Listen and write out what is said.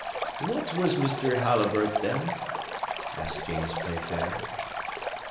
"What was Mr. Halliburtt, then?" asked James Playfair.